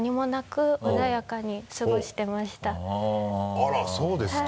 あらそうですか。